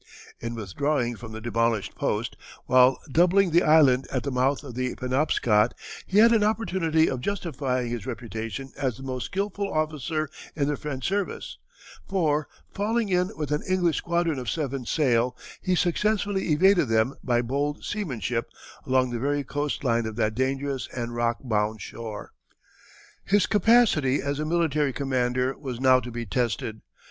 In withdrawing from the demolished post, while doubling the island at the mouth of the Penobscot, he had an opportunity of justifying his reputation as the most skilful officer in the French service; for, falling in with an English squadron of seven sail, he successfully evaded them by bold seamanship along the very coast line of that dangerous and rock bound shore. His capacity as a military commander was now to be tested.